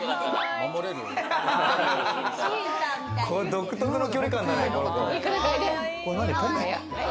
独特の距離感だね、この子。